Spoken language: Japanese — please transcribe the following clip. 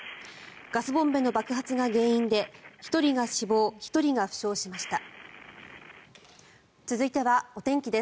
ガスボンベの爆発が原因で１人が死亡１人が負傷しました。